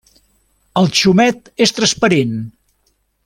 El xumet és transparent.